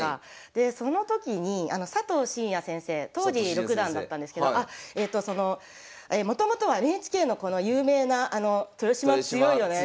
でその時に佐藤紳哉先生当時六段だったんですけどもともとはＮＨＫのこの有名な「豊島強いよね。